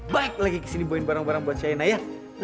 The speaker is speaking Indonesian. baik lagi kesini bohin barang barang buat shaina ya